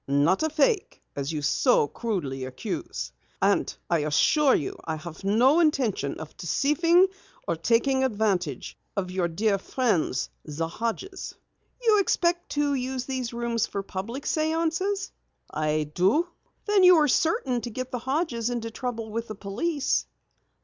Not a fake, as you so crudely accuse. And I assure you I have no intention of deceiving or taking advantage of your dear friends, the Hodges." "You expect to use these rooms for public séances?" "I do." "Then you are certain to get the Hodges into trouble with the police."